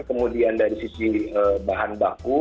kemudian dari sisi bahan baku